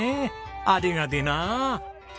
ありがてえな。